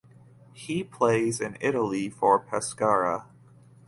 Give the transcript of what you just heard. He plays in Italy for Pescara.